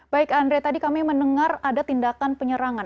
baik andre tadi kami mendengar ada tindakan penyerangan